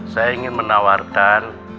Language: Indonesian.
saya ingin menawarkan